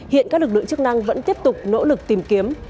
hiện các lực lượng chức năng vẫn tiếp tục nỗ lực tìm kiếm